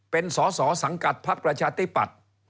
เป็นสอสอสังกัดพักประชาธิปัตย์